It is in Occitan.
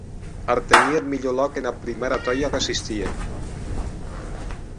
Artenhie eth milhor lòc ena prumèra tòia qu’assistie!